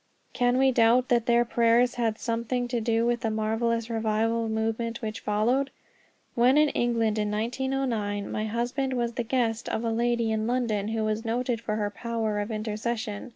Can we doubt that their prayers had something to do with the marvelous revival movement which followed? When in England, in 1909, my husband was the guest of a lady in London who was noted for her power in intercession.